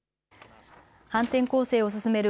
反転攻勢を進める